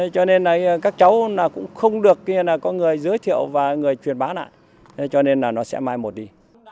cho nên các cháu cũng không được có người giới thiệu và người truyền bán lại cho nên là nó sẽ mai một đi